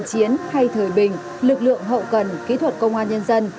trước anh linh chủ tịch hồ chí minh lực lượng hậu cần kỹ thuật công an nhân dân